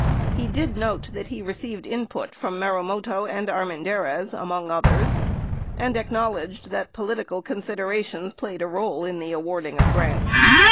He did note that he received input from Marumoto and Armen dariz, among others, and acknowledged that political considerations played a role in the awarding of grants.